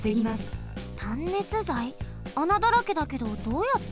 あなだらけだけどどうやって？